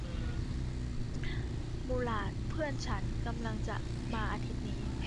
มูหลาดเพื่อนฉันกำลังจะมาอาทิตย์นี้